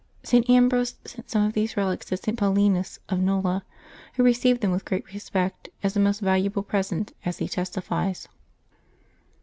St. Ambrose sent some of these relics to St. Paulinus of !N"ola, who re ceived them with great respect, as a most valuable present, as he testifies.